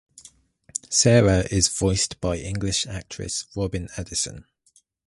Sera is voiced by English actress Robyn Addison.